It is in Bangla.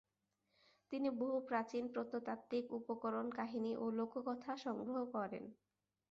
তিনি বহু প্রাচীন প্রত্নতাত্ত্বিক উপকরণ, কাহিনী ও লোককথা সংগ্রহ করেন।